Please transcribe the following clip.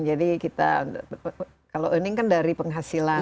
jadi kita kalau earning kan dari penghasilan